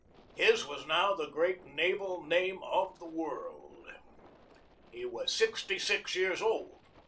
His was now the great naval name of the world. He was sixty six years old.